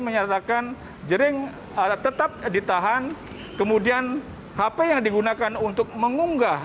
menyatakan jering tetap ditahan kemudian hp yang digunakan untuk mengunggah